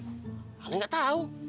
walao gak tau